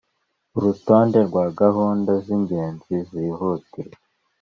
urutonde rwa gahunda z'ingenzi zihutirwa,